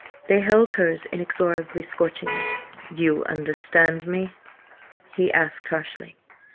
They held hers inexorably, scorchingly. "You understand me?" he asked harshly.